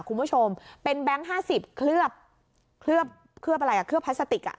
คุณผู้ชมเป็นแบงค์ห้าสิบเคลือบเคลือบเคลือบอะไรอ่ะเคลือบพลาสติกอ่ะ